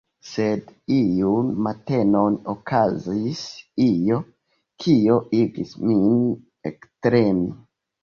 Sed iun matenon okazis io, kio igis min ektremi.